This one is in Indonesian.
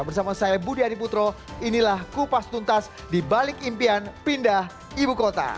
bersama saya budi adiputro inilah kupas tuntas di balik impian pindah ibu kota